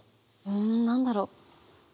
うん何だろう？